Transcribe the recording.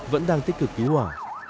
vẫn đang tích cực cứu hỏa